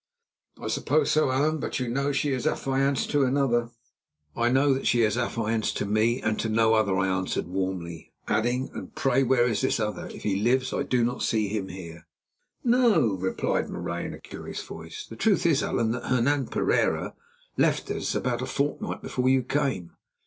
"I suppose so, Allan; but you know she is affianced to another." "I know that she is affianced to me, and to no other," I answered warmly, adding, "And pray where is this other? If he lives I do not see him here." "No," replied Marais in a curious voice. "The truth is, Allan, that Hernan Pereira left us about a fortnight before you came.